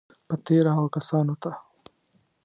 په تېره هغو کسانو ته